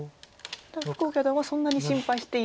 ただ福岡四段はそんなに心配していないという。